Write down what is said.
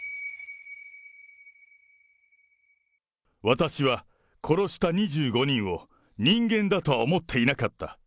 私は殺した２５人を人間だとは思っていなかった。